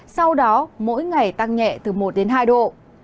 sau đó mỗi ngày tăng nhẹ từ một đến hai độ